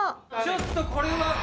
ちょっとこれは。